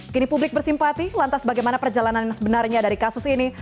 kini publik bersimpati lantas bagaimana perjalanan yang sebenarnya dari kasus ini